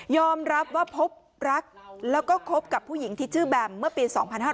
รับว่าพบรักแล้วก็คบกับผู้หญิงที่ชื่อแบมเมื่อปี๒๕๕๙